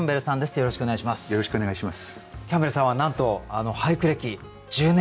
よろしくお願いします。